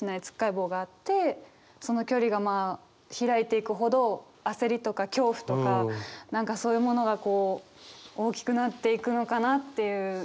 つっかえ棒があってその距離がまあ開いていくほど焦りとか恐怖とか何かそういうものが大きくなっていくのかなっていう。